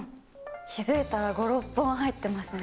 気付いたら５、６本入っていますね。